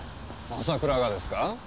浅倉がですか？